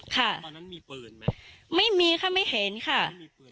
ค่ะตอนนั้นมีเปลือนไหมไม่มีค่ะไม่เห็นค่ะไม่มีเปลือน